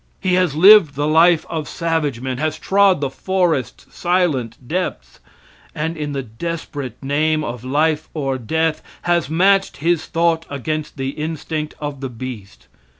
He has lived the life of savage men has trod the forest's silent depths, and in the desperate name of life or death has matched his thought against the instinct of the beast.